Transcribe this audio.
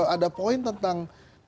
ada poin tentang